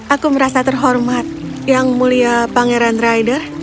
aku merasa terhormat yang mulia pangeran rider